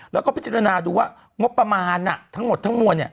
แล้วก็พิจารณาดูว่างบประมาณทั้งหมดทั้งมวล